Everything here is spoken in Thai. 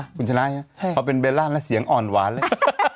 คุณช้าใช่ไหมใช่เพราะเป็นเบลล่าแล้วเสียงอ่อนหวานเลย